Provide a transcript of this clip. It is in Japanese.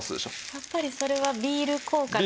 やっぱりそれはビール効果ですね。